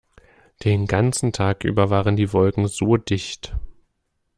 Den ganzen Tag über waren die Wolken so dicht.